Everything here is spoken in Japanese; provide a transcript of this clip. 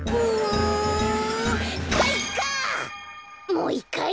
もういっかい！